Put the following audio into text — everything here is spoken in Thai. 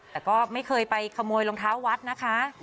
แต่ก็ไม่เคยไปขโมยรองเท้าวัดนะคะ